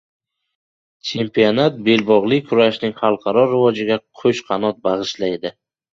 Chempionat – belbog‘li kurashning xalqaro rivojiga qo‘sh qanot bag‘ishlaydi